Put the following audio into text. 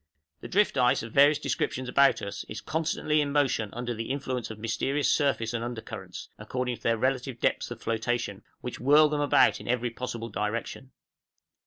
The drift ice of various descriptions about us is constantly in motion under the influence of mysterious surface and under currents (according to their relative depths of floatation), which whirl them about in every possible direction.